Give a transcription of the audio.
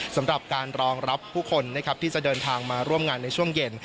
สำหรับการรองรับผู้คนนะครับที่จะเดินทางมาร่วมงานในช่วงเย็น